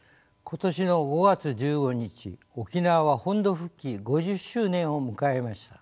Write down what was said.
今年の５月１５日沖縄は本土復帰５０周年を迎えました。